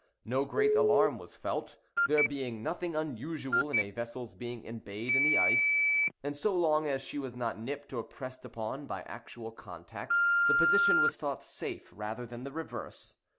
No great alarm was felt, there being nothing unusual in a vessel's being embayed in the ice; and so long as she was not nipped or pressed upon by actual contact, the position was thought safe rather than the reverse.